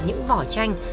những vỏ chanh